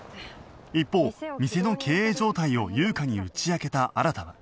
一方店の経営状態を優香に打ち明けた新は